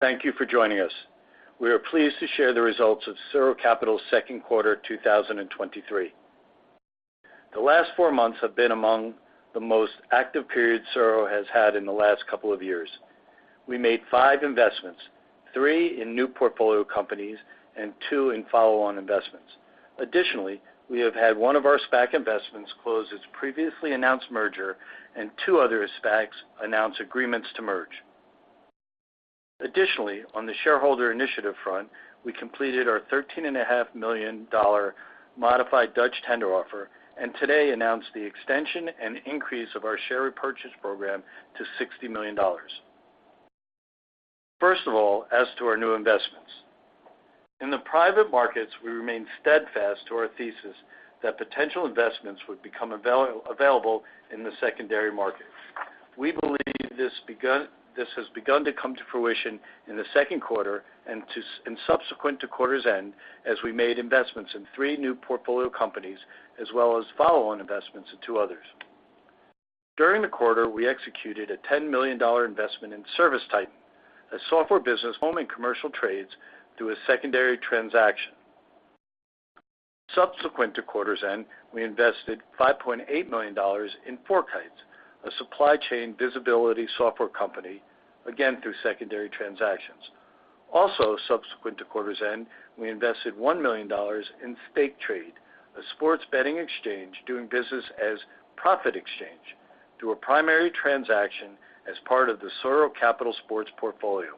Thank you for joining us. We are pleased to share the results of SuRo Capital's second quarter 2023. The last four months have been among the most active periods SuRo has had in the last couple of years. We made five investments, three in new portfolio companies and two in follow-on investments. We have had one of our SPAC investments close its previously announced merger and two other SPACs announce agreements to merge. On the shareholder initiative front, we completed our $13.5 million modified Dutch tender offer, and today announced the extension and increase of our share repurchase program to $60 million. First of all, as to our new investments. In the private markets, we remain steadfast to our thesis that potential investments would become available in the secondary market. We believe this has begun to come to fruition in the second quarter and to, and subsequent to quarter's end, as we made investments in 3 new portfolio companies as well as follow-on investments in 2 others. During the quarter, we executed a $10 million investment in ServiceTitan, a software business home in commercial trades through a secondary transaction. Subsequent to quarter's end, we invested $5.8 million in FourKites, a supply chain visibility software company, again, through secondary transactions. Also, subsequent to quarter's end, we invested $1 million in Stake Trade, a sports betting exchange, doing business as Prophet Exchange, through a primary transaction as part of the SuRo Capital Sports portfolio.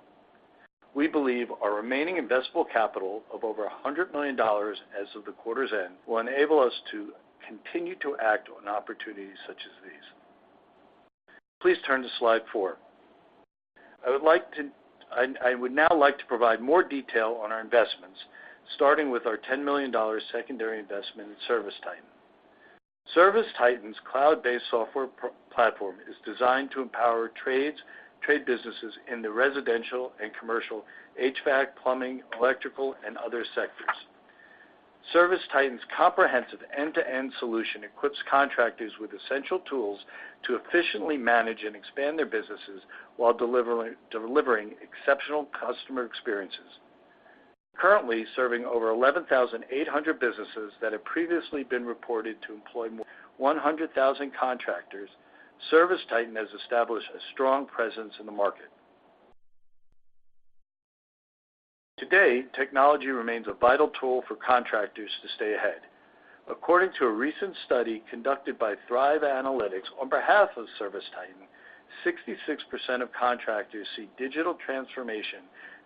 We believe our remaining investable capital of over $100 million as of the quarter's end, will enable us to continue to act on opportunities such as these. Please turn to slide 4. I would now like to provide more detail on our investments, starting with our $10 million secondary investment in ServiceTitan. ServiceTitan's cloud-based software platform is designed to empower trades, trade businesses in the residential and commercial HVAC, plumbing, electrical, and other sectors. ServiceTitan's comprehensive end-to-end solution equips contractors with essential tools to efficiently manage and expand their businesses while delivering exceptional customer experiences. Currently serving over 11,800 businesses that have previously been reported to employ more than 100,000 contractors, ServiceTitan has established a strong presence in the market. Today, technology remains a vital tool for contractors to stay ahead. According to a recent study conducted by Thrive Analytics on behalf of ServiceTitan, 66% of contractors see digital transformation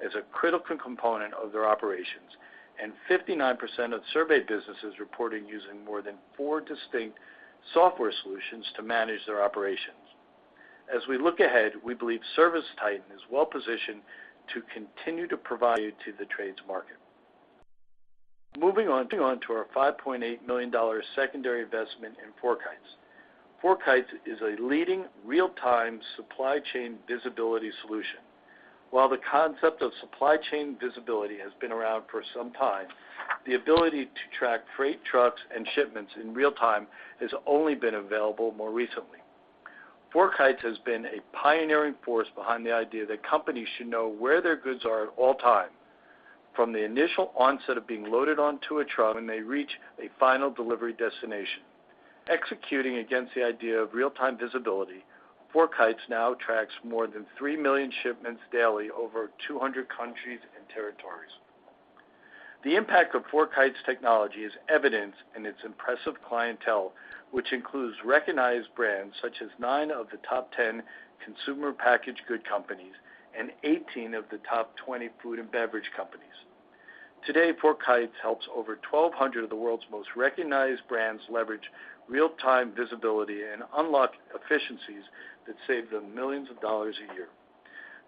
as a critical component of their operations, and 59% of surveyed businesses reported using more than 4 distinct software solutions to manage their operations. As we look ahead, we believe ServiceTitan is well-positioned to continue to provide to the trades market. Moving on, moving on to our $5.8 million secondary investment in FourKites. FourKites is a leading real-time supply chain visibility solution. While the concept of supply chain visibility has been around for some time, the ability to track freight trucks and shipments in real time has only been available more recently. FourKites has been a pioneering force behind the idea that companies should know where their goods are at all time, from the initial onset of being loaded onto a truck, when they reach a final delivery destination. Executing against the idea of real-time visibility, FourKites now tracks more than three million shipments daily over 200 countries and territories. The impact of FourKites technology is evidenced in its impressive clientele, which includes recognized brands such as nine of the top 10 consumer packaged good companies and 18 of the top 20 food and beverage companies. Today, FourKites helps over 1,200 of the world's most recognized brands leverage real-time visibility and unlock efficiencies that save them millions of dollars a year.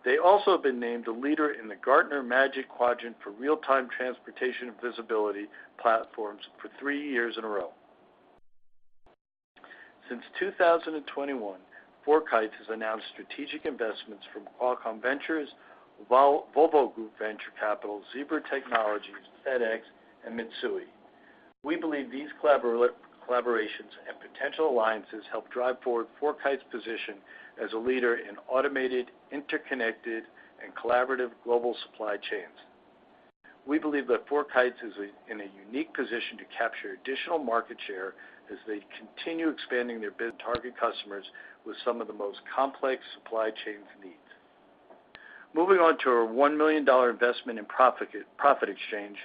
They also have been named a leader in the Gartner Magic Quadrant for real-time transportation and visibility platforms for three years in a row. Since 2021, FourKites has announced strategic investments from Qualcomm Ventures, Volvo Group Venture Capital, Zebra Technologies, FedEx, and Mitsui. We believe these collaborations and potential alliances help drive forward FourKites' position as a leader in automated, interconnected, and collaborative global supply chains. We believe that FourKites is in a unique position to capture additional market share as they continue expanding their target customers with some of the most complex supply chain needs. Moving on to our $1 million investment in Prophet Exchange,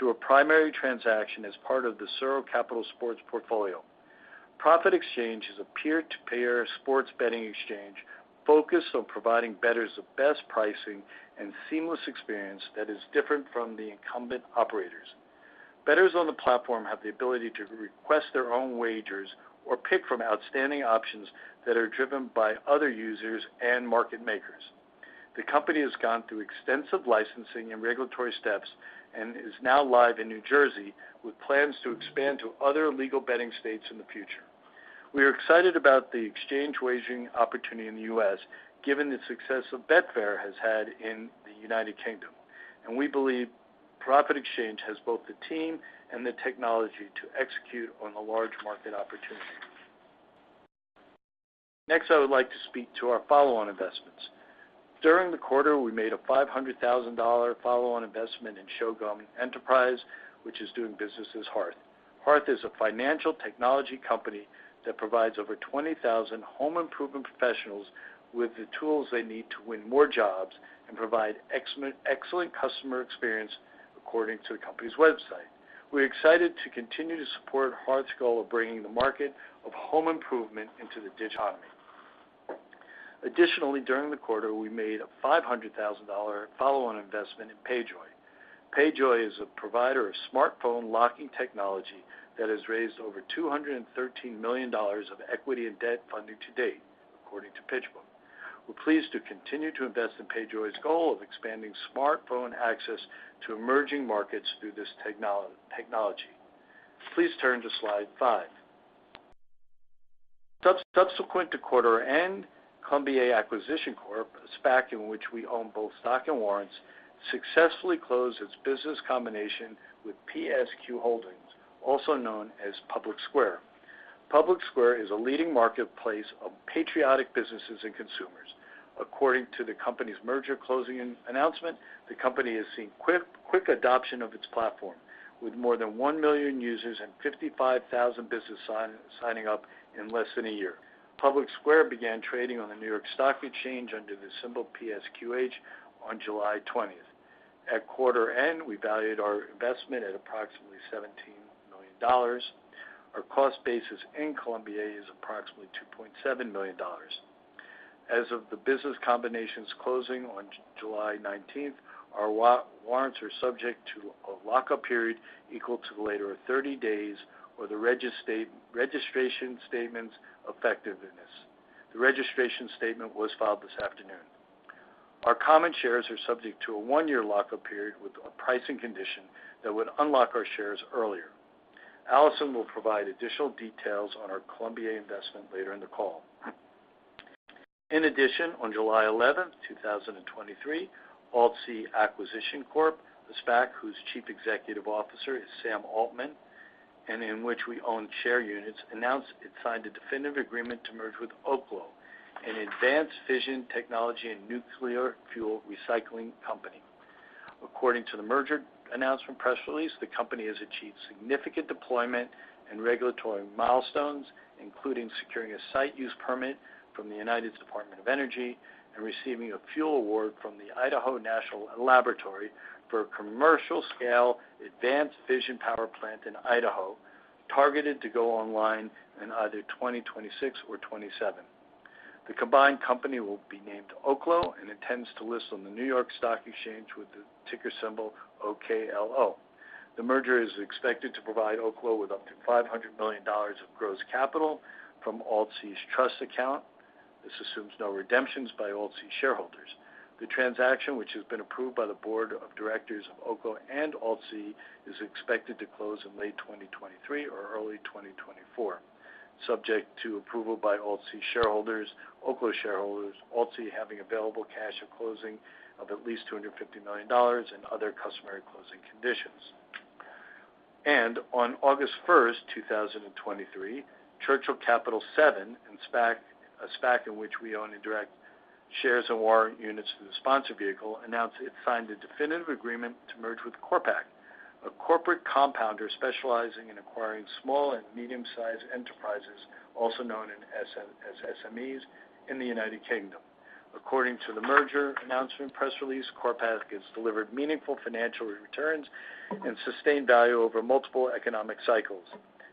through a primary transaction as part of the SuRo Capital Sports portfolio. Prophet Exchange is a peer-to-peer sports betting exchange focused on providing bettors the best pricing and seamless experience that is different from the incumbent operators. Bettors on the platform have the ability to request their own wagers or pick from outstanding options that are driven by other users and market makers. The company has gone through extensive licensing and regulatory steps and is now live in New Jersey, with plans to expand to other legal betting states in the future. We are excited about the exchange wagering opportunity in the U.S., given the success that Betfair has had in the United Kingdom, and we believe Prophet Exchange has both the team and the technology to execute on a large market opportunity. Next, I would like to speak to our follow-on investments. During the quarter, we made a $500,000 follow-on investment in Shogun Enterprises, which is doing business as Hearth. Hearth is a financial technology company that provides over 20,000 home improvement professionals with the tools they need to win more jobs and provide excellent, excellent customer experience according to the company's website. We're excited to continue to support Hearth's goal of bringing the market of home improvement into the digi economy. Additionally, during the quarter, we made a $500,000 follow-on investment in PayJoy. PayJoy is a provider of smartphone locking technology that has raised over $213 million of equity and debt funding to date, according to PitchBook. We're pleased to continue to invest in PayJoy's goal of expanding smartphone access to emerging markets through this technology. Please turn to slide 5. Subsequent to quarter end, Colombier Acquisition Corp, a SPAC in which we own both stock and warrants, successfully closed its business combination with PSQ Holdings, also known as PublicSquare. PublicSquare is a leading marketplace of patriotic businesses and consumers. According to the company's merger closing announcement, the company has seen quick adoption of its platform, with more than 1 million users and 55,000 businesses signing up in less than a year. PublicSquare began trading on the New York Stock Exchange under the symbol PSQH on July 20th. At quarter end, we valued our investment at approximately $17 million. Our cost basis in Colombier is approximately $2.7 million. As of the business combinations closing on July 19th, our warrants are subject to a lock-up period equal to the later of 30 days or the registration statement's effectiveness. The registration statement was filed this afternoon. Our common shares are subject to a one-year lock-up period with a pricing condition that would unlock our shares earlier. Allison will provide additional details on our Colombier investment later in the call. On July 11th, 2023, AltC Acquisition Corp, a SPAC whose Chief Executive Officer is Sam Altman, and in which we own share units, announced it signed a definitive agreement to merge with Oklo, an advanced fission technology and nuclear fuel recycling company. A According to the merger announcement press release, the company has achieved significant deployment and regulatory milestones, including securing a site use permit from the United States Department of Energy and receiving a fuel award from the Idaho National Laboratory for a commercial-scale advanced fission power plant in Idaho, targeted to go online in either 2026 or 2027. The combined company will be named Oklo and intends to list on the New York Stock Exchange with the ticker symbol OKLO. The merger is expected to provide Oklo with up to $500 million of gross capital from AltC's trust account. This assumes no redemptions by AltC shareholders. The transaction, which has been approved by the board of directors of Oklo and AltC, is expected to close in late 2023 or early 2024, subject to approval by AltC shareholders, Oklo shareholders, AltC having available cash at closing of at least $250 million, and other customary closing conditions. On August 1st, 2023, Churchill Capital Seven, a SPAC in which we own and direct shares and warrant units through the sponsor vehicle, announced it signed a definitive agreement to merge with CorpAcq, a corporate compounder specializing in acquiring small and medium-sized enterprises, also known as SMEs in the United Kingdom. A According to the merger announcement press release, CorpAcq has delivered meaningful financial returns and sustained value over multiple economic cycles.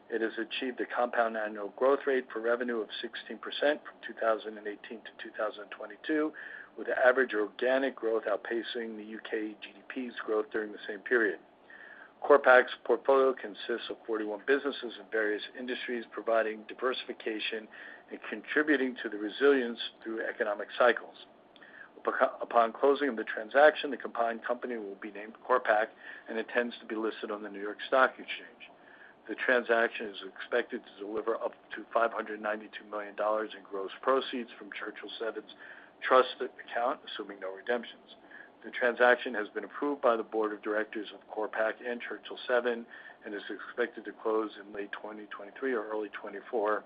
It has achieved a compound annual growth rate for revenue of 16% from 2018 to 2022, with average organic growth outpacing the U.K. GDP's growth during the same period. CorpAcq's portfolio consists of 41 businesses in various industries, providing diversification and contributing to the resilience through economic cycles. Upon closing of the transaction, the combined company will be named CorpAcq and intends to be listed on the New York Stock Exchange. The transaction is expected to deliver up to $592 million in gross proceeds from Churchill Seven's trust account, assuming no redemptions. T The transaction has been approved by the board of directors of CorpAcq and Churchill Seven and is expected to close in late 2023 or early 2024,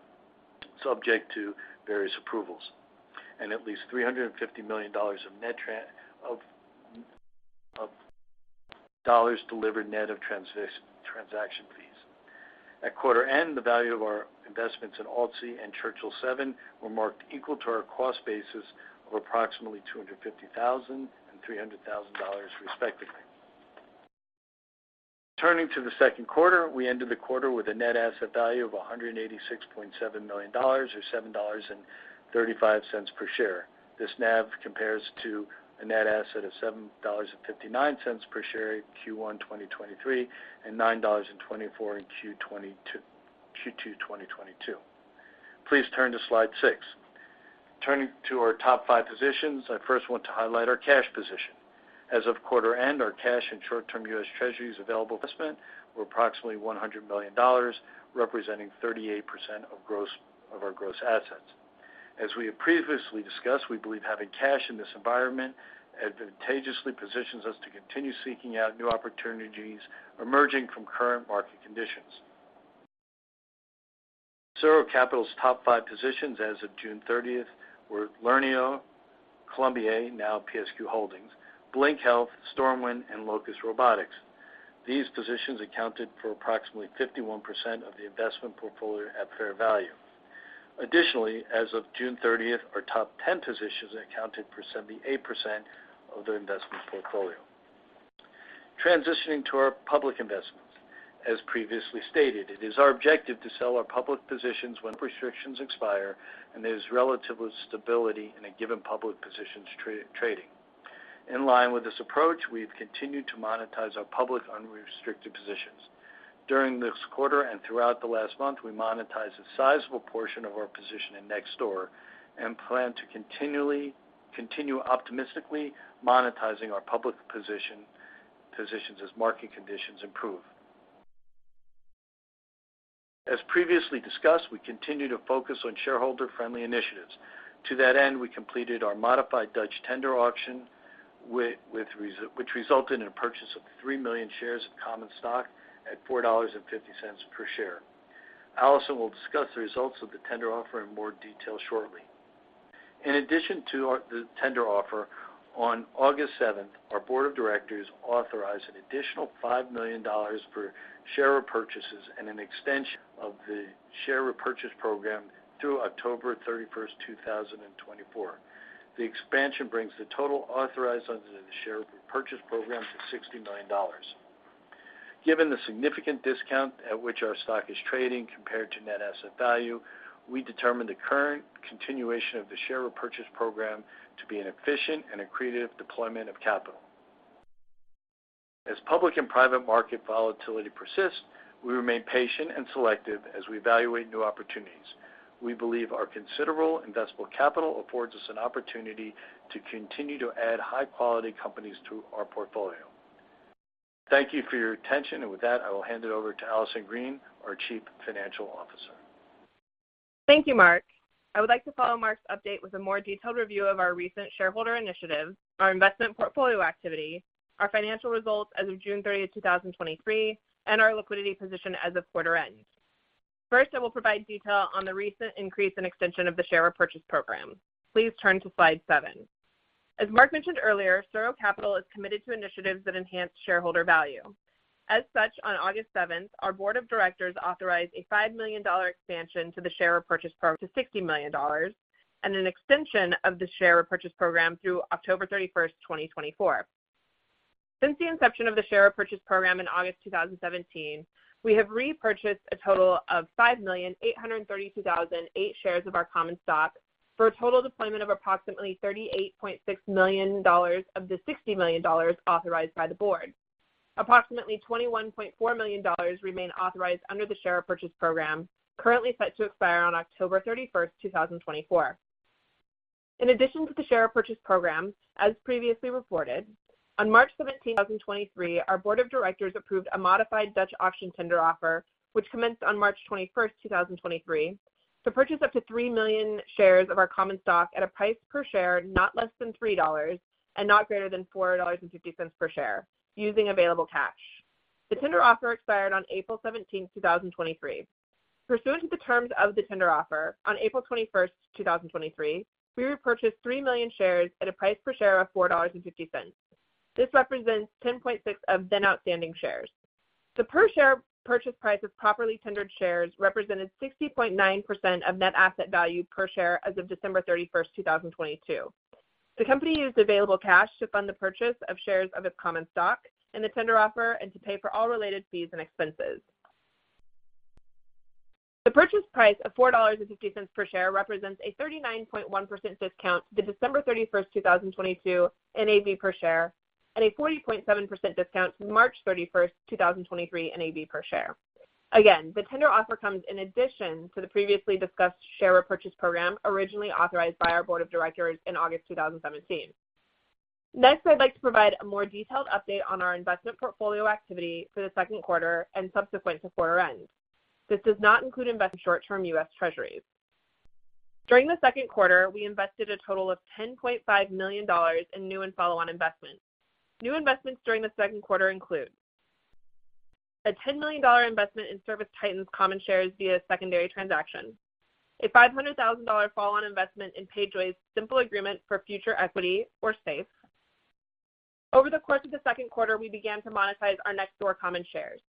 subject to various approvals, and at least $350 million delivered net of transaction fees. At quarter end, the value of our investments in AltC and Churchill Seven were marked equal to our cost basis of approximately $250,000 and $300,000, respectively. Turning to the second quarter, we ended the quarter with a net asset value of $186.7 million, or $7.35 per share. This NAV compares to a net asset of $7.59 per share in Q1 2023, and $9.24 in Q2 2022. Please turn to slide 6. Turning to our top five positions, I first want to highlight our cash position. As of quarter end, our cash and short-term U.S. Treasuries available investment were approximately $100 million, representing 38% of our gross assets. A As we have previously discussed, we believe having cash in this environment advantageously positions us to continue seeking out new opportunities emerging from current market conditions.... SuRo Capital's top five positions as of June thirtieth were Learneo, Colombier, now PSQ Holdings, Blink Health, StormWind, and Locus Robotics. These positions accounted for approximately 51% of the investment portfolio at fair value. Additionally, as of June thirtieth, our top 10 positions accounted for 78% of the investment portfolio. Transitioning to our public investments. As previously stated, it is our objective to sell our public positions when restrictions expire and there's relatively stability in a given public position's trading. In line with this approach, we've continued to monetize our public unrestricted positions. During this quarter and throughout the last month, we monetized a sizable portion of our position in Nextdoor and plan to continue optimistically monetizing our public position, positions as market conditions improve. As previously discussed, we continue to focus on shareholder-friendly initiatives. To that end, we completed our modified Dutch tender auction, which resulted in a purchase of 3 million shares of common stock at $4.50 per share. Allison Green will discuss the results of the tender offer in more detail shortly. In addition to the tender offer, on August 7th, our board of directors authorized an additional $5 million per share repurchases and an extension of the share repurchase program through October 31, 2024. The expansion brings the total authorized under the share repurchase program to $69. Given the significant discount at which our stock is trading compared to net asset value, we determine the current continuation of the share repurchase program to be an efficient and accretive deployment of capital. As public and private market volatility persists, we remain patient and selective as we evaluate new opportunities. We believe our considerable investable capital affords us an opportunity to continue to add high-quality companies to our portfolio. Thank you for your attention. With that, I will hand it over to Allison Green, our Chief Financial Officer. Thank you, Mark. I would like to follow Mark's update with a more detailed review of our recent shareholder initiative, our investment portfolio activity, our financial results as of June 30, 2023, and our liquidity position as of quarter end. First, I will provide detail on the recent increase and extension of the share repurchase program. Please turn to slide 7. As Mark mentioned earlier, SuRo Capital is committed to initiatives that enhance shareholder value. As such, on August 7, our board of directors authorized a $5 million expansion to the share repurchase program to $60 million, and an extension of the share repurchase program through October 31, 2024. Since the inception of the share repurchase program in August 2017, we have repurchased a total of 5,832,008 shares of our common stock, for a total deployment of approximately $38.6 million of the $60 million authorized by the board. Approximately $21.4 million remain authorized under the share repurchase program, currently set to expire on October 31, 2024. In addition to the share purchase program, as previously reported, on March 17, 2023, our board of directors approved a modified Dutch auction tender offer, which commenced on March 21, 2023, to purchase up to 3 million shares of our common stock at a price per share, not less than $3 and not greater than $4.50 per share, using available cash. The tender offer expired on April 17, 2023. Pursuant to the terms of the tender offer, on April 21, 2023, we repurchased 3 million shares at a price per share of $4.50. This represents 10.6% of then outstanding shares. The per share purchase price of properly tendered shares represented 60.9% of net asset value per share as of December 31, 2022. The company used available cash to fund the purchase of shares of its common stock in the tender offer and to pay for all related fees and expenses. The purchase price of $4.50 per share represents a 39.1% discount to the December 31, 2022, NAV per share, and a 40.7% discount to March 31, 2023, NAV per share. Again, the tender offer comes in addition to the previously discussed share repurchase program, originally authorized by our board of directors in August 2017. N Next, I'd like to provide a more detailed update on our investment portfolio activity for the second quarter and subsequent to quarter end. This does not include investment in short-term U.S. Treasuries. During the second quarter, we invested a total of $10.5 million in new and follow-on investments. New investments during the second quarter include: a $10 million investment in ServiceTitan's common shares via secondary transaction, a $500,000 follow-on investment in PayJoy's simple agreement for future equity, or SAFE. Over the course of the second quarter, we began to monetize our Nextdoor common shares.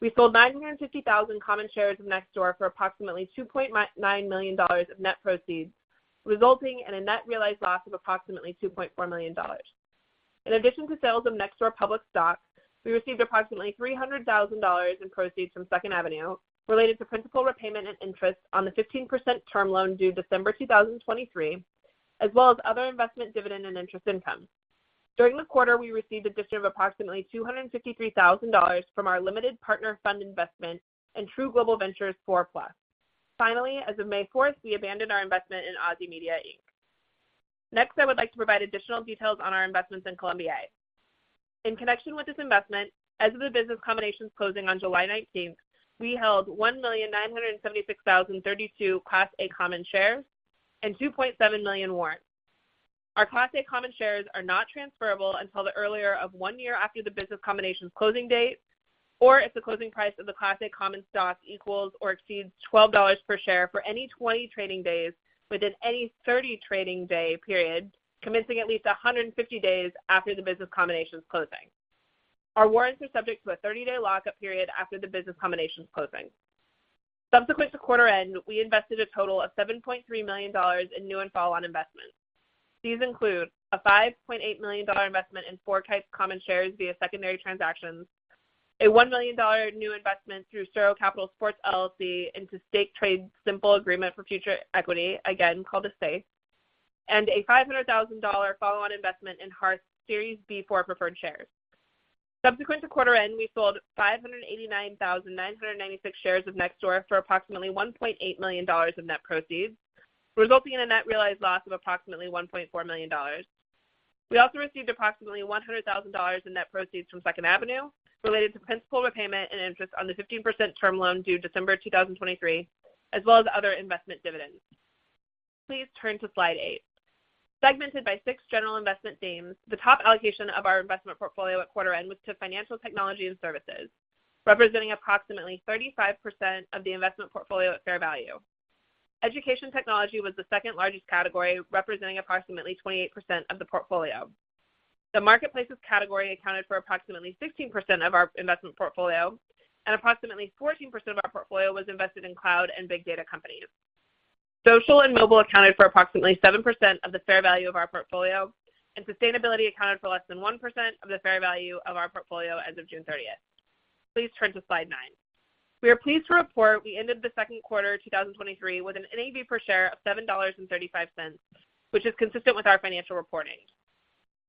We sold 950,000 common shares of Nextdoor for approximately $2.9 million of net proceeds, resulting in a net realized loss of approximately $2.4 million. I In addition to sales of Nextdoor public stock, we received approximately $300,000 in proceeds from Second Avenue related to principal repayment and interest on the 15% term loan due December 2023, as well as other investment dividend and interest income. During the quarter, we received a distribution of approximately $253,000 from our limited partner fund investment in True Global Ventures 4 Plus. Finally, as of May 4, we abandoned our investment in Ozy Media, Inc. Next, I would like to provide additional details on our investments in Colombier. In connection with this investment, as of the business combinations closing on July 19, we held 1,976,032 Class A common shares and 2.7 million warrants. O Our Class A common shares are not transferable until the earlier of one year after the business combination's closing date, or if the closing price of the Class A common stock equals or exceeds $12 per share for any 20 trading days within any 30 trading day period, commencing at least 150 days after the business combination's closing. Our warrants are subject to a 30-day lock-up period after the business combination's closing. Subsequent to quarter end, we invested a total of $7.3 million in new and follow-on investments. These include a $5.8 million investment in FourKites of common shares via secondary transactions, a $1 million new investment through SuRo Capital Sports, LLC into Stake Trade's Simple Agreement for Future Equity, again called the SAFE, and a $500,000 follow-on investment in Hearth Series B for preferred shares. Subsequent to quarter end, we sold 589,996 shares of Nextdoor for approximately $1.8 million of net proceeds, resulting in a net realized loss of approximately $1.4 million. We also received approximately $100,000 in net proceeds from Second Avenue, related to principal repayment and interest on the 15% term loan due December 2023, as well as other investment dividends. Please turn to slide 8. Segmented by six general investment themes, the top allocation of our investment portfolio at quarter end was to financial technology and services, representing approximately 35% of the investment portfolio at fair value. Education technology was the second largest category, representing approximately 28% of the portfolio. The marketplaces category accounted for approximately 16% of our investment portfolio. Approximately 14% of our portfolio was invested in cloud and big data companies. Social and mobile accounted for approximately 7% of the fair value of our portfolio. Sustainability accounted for less than 1% of the fair value of our portfolio as of June 30. Please turn to slide 9. We are pleased to report we ended the second quarter, 2023, with an NAV per share of $7.35, which is consistent with our financial reporting.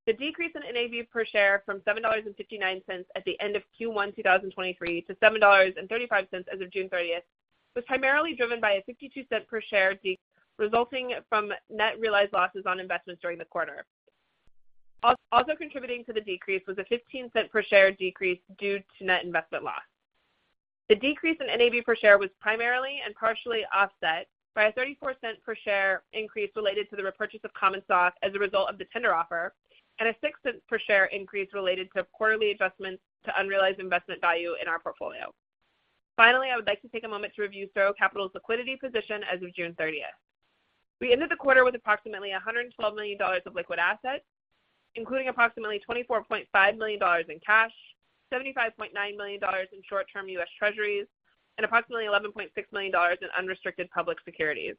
The decrease in NAV per share from $7.59 at the end of Q1, 2023, to $7.35 as of June 30th, was primarily driven by a $0.62 per share de- resulting from net realized losses on investments during the quarter. Also contributing to the decrease was a $0.15 per share decrease due to net investment loss. The decrease in NAV per share was primarily and partially offset by a $0.34 per share increase related to the repurchase of common stock as a result of the tender offer, and a $0.06 per share increase related to quarterly adjustments to unrealized investment value in our portfolio. Finally, I would like to take a moment to review SuRo Capital's liquidity position as of June thirtieth. We ended the quarter with approximately $112 million of liquid assets, including approximately $24.5 million in cash, $75.9 million in short-term U.S. Treasuries, and approximately $11.6 million in unrestricted public securities.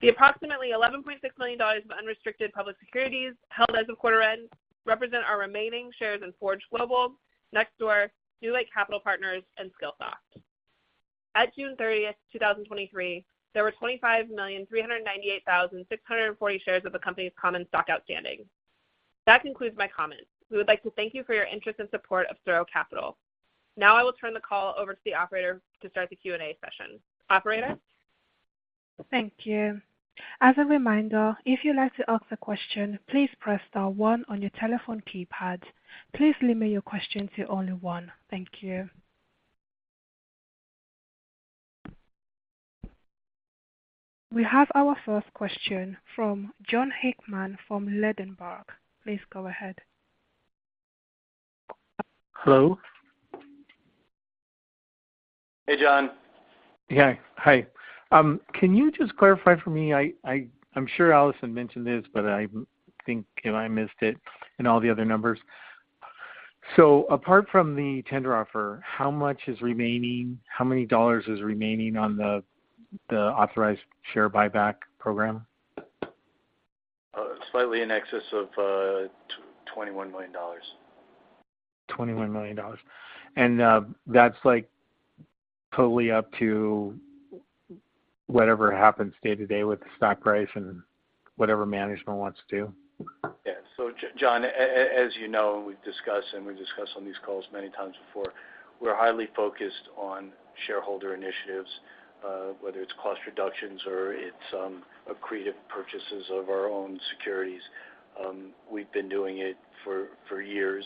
The approximately $11.6 million of unrestricted public securities, held as of quarter end, represent our remaining shares in Forge Global, Nextdoor, NewLake Capital Partners and Skillsoft. At June thirtieth, 2023, there were 25,398,640 shares of the company's common stock outstanding. That concludes my comments. We would like to thank you for your interest and support of SuRo Capital. I will turn the call over to the operator to start the Q&A session. Operator? Thank you. As a reminder, if you'd like to ask a question, please press star one on your telephone keypad. Please limit your question to only one. Thank you. We have our first question from Jon Hickman from Ladenburg Thalmann. Please go ahead. Hello? Hey, John. Yeah. Hi. Can you just clarify for me, I I'm sure Allison mentioned this, but I think I missed it in all the other numbers. Apart from the tender offer, how many dollars is remaining on the, the authorized share buyback program? Slightly in excess of, $21 million. $21 million. That's, like, totally up to whatever happens day-to-day with the stock price and whatever management wants to do? Yeah. John, as you know, we've discussed and we've discussed on these calls many times before, we're highly focused on shareholder initiatives, whether it's cost reductions or it's accretive purchases of our own securities. We've been doing it for, for years,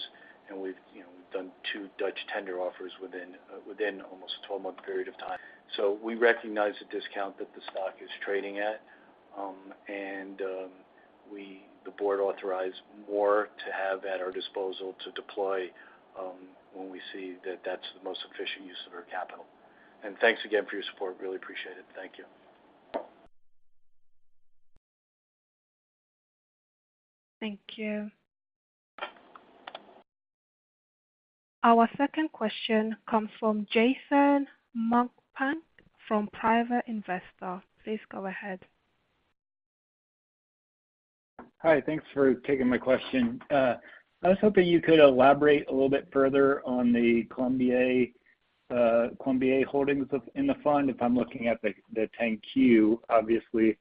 and we've, you know, done 2 Dutch tender offers within, within almost a 12-month period of time. We recognize the discount that the stock is trading at, and we... the board authorized more to have at our disposal to deploy when we see that that's the most efficient use of our capital. Thanks again for your support. Really appreciate it. Thank you. Thank you. Our second question comes from Jason Mumpant from Private Investor. Please go ahead. Hi, thanks for taking my question. I was hoping you could elaborate a little bit further on the Colombier holdings of in the fund, if I'm looking at the 10-Q, obviously,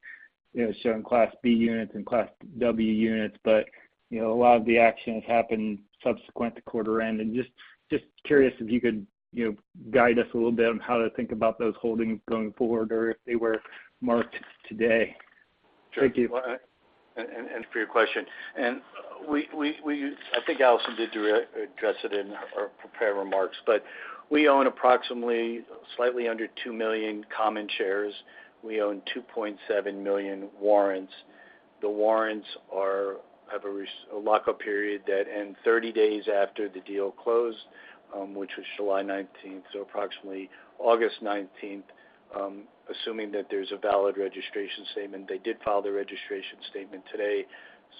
you know, showing Class B units and Class W units, but, you know, a lot of the action has happened subsequent to quarter end. Just curious if you could, you know, guide us a little bit on how to think about those holdings going forward or if they were marked today. Thank you. Sure. For your question. I think Allison Green did address it in her prepared remarks, but we own approximately slightly under 2 million common shares. We own 2.7 million warrants. The warrants have a lockup period that ends 30 days after the deal closed, which was July 19th, so approximately August 19th, assuming that there's a valid registration statement. They did file the registration statement today,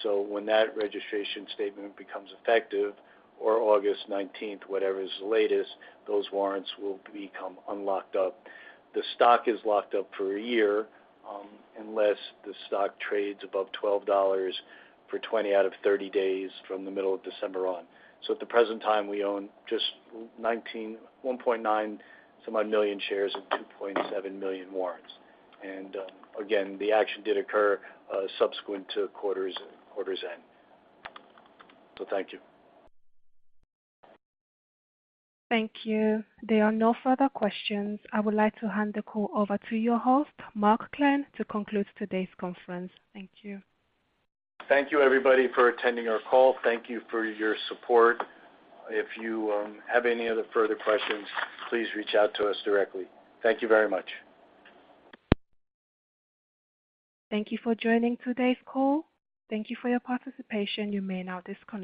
so when that registration statement becomes effective or August 19th, whatever is latest, those warrants will become unlocked up. The stock is locked up for 1 year, unless the stock trades above $12 for 20 out of 30 days from the middle of December on. At the present time, we own just 1.9 some odd million shares and 2.7 million warrants. Again, the action did occur, subsequent to quarter's, quarter's end. Thank you. Thank you. There are no further questions. I would like to hand the call over to your host, Mark Klein, to conclude today's conference. Thank you. Thank you, everybody, for attending our call. Thank you for your support. If you have any other further questions, please reach out to us directly. Thank you very much. Thank you for joining today's call. Thank you for your participation. You may now disconnect.